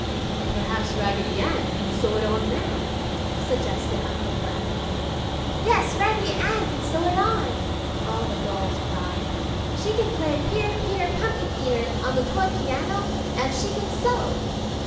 "Perhaps Raggedy Ann can sew it on now!" suggested Uncle Clem. "Yes, Raggedy Ann can sew it on!" all the dolls cried. "She can play Peter, Peter, Pumpkin Eater on the toy piano and she can sew!"